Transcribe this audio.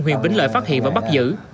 huyền vĩnh lợi phát hiện và bắt giữ